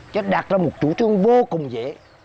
chứ đạt ra một chủ trương vô cùng dễ